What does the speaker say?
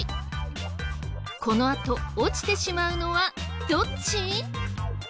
このあと落ちてしまうのはどっち？